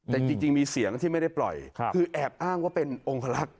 แต่จริงมีเสียงที่ไม่ได้ปล่อยคือแอบอ้างว่าเป็นองคลักษณ